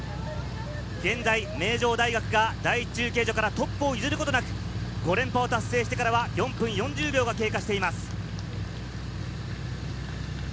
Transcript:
現在、名城大学が第１中継所からトップを譲ることなく５連覇を達成してから４分４０秒が経過。